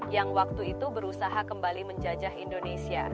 yang waktu itu berusaha kembali menjajah indonesia